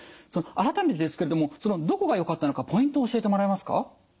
改めてですけれどもどこがよかったのかポイントを教えてもらえますか？